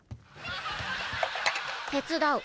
手伝う。